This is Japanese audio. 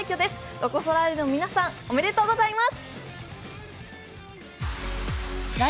ロコ・ソラーレの皆さん、おめでとうございます。